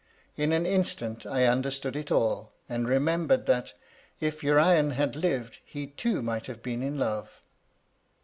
In an instant I understood it all, and remembered that, if Urian had lived, he too might have been in love.